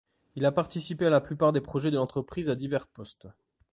Il a participé à la plupart des projets de l'entreprise à divers postes.